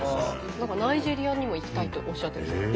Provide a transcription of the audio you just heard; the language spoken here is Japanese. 何かナイジェリアにも行きたいっておっしゃってるそうで。